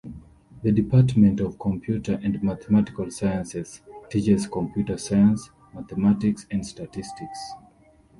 The Department of Computer and Mathematical Sciences teaches computer science, mathematics and statistics.